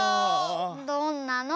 どんなの？